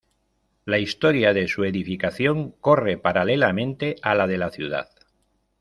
La historia de su edificación corre paralelamente a la de la ciudad.